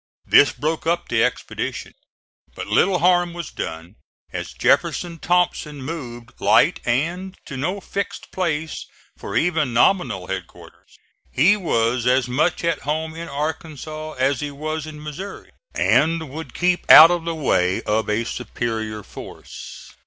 This broke up the expedition. But little harm was done, as Jeff. Thompson moved light and had no fixed place for even nominal headquarters. He was as much at home in Arkansas as he was in Missouri and would keep out of the way of a superior force.